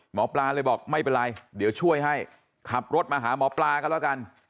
หมอปลาเลยบอกไม่เป็นไรเดี๋ยวช่วยให้ขับรถมาหาหมอปลากันแล้วกัน